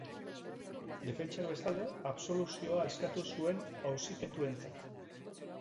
Defentsak, bestalde, absoluzioa eskatu zuen auzipetuentzat.